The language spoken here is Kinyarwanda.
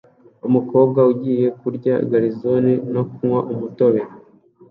Umukobwa ugiye kurya garizone no kunywa umutobe